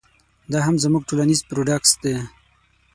دا هم زموږ ټولنیز پراډوکس دی.